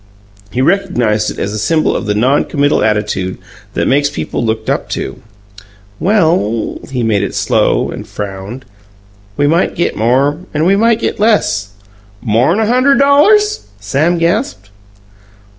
He recognized it as a symbol of the non committal attitude that makes people looked up to. "Well" he made it slow, and frowned "we might get more and we might get less." "More'n a hunderd DOLLARS?" Sam gasped.